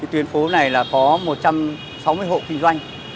tuyến phố này là có một trăm sáu mươi hộ kinh doanh